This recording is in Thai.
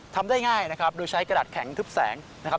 ทำได้ง่ายนะครับโดยใช้กระดาษแข็งทึบแสงนะครับ